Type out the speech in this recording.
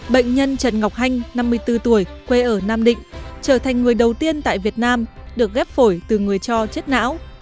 bệnh nhân trần ngọc hanh năm mươi bốn tuổi quê ở nam định trở thành người đầu tiên tại việt nam được ghép phổi từ người cho chết não